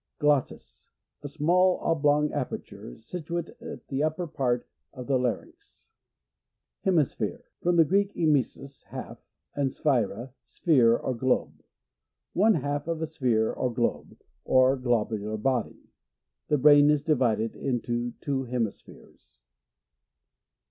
Glottis. — A small oblong apcrtuic, situate at the upper part of the larynx. Hemisphere — From the Greek emisvs, half, and sphaira, sphere or globe. One half of a sphere or globe, or globular body ; the brain is divided I into two hemispheres.